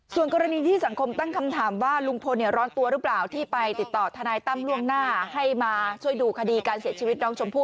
ส่วนกรณีที่สังคมตั้งคำถามว่าลุงพลร้อนตัวหรือเปล่าที่ไปติดต่อทนายตั้มล่วงหน้าให้มาช่วยดูคดีการเสียชีวิตน้องชมพู่